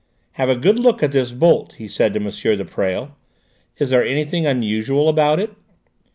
"Have a good look at this bolt," he said to M. de Presles. "Is there anything unusual about it?"